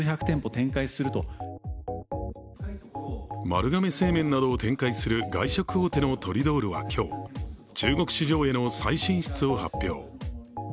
丸亀製麺などを展開する外食大手のトリドールは今日、中国市場への再進出を発表。